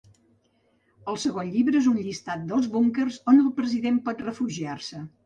El segon llibre és un llistat dels búnquers on el president pot refugiar-se.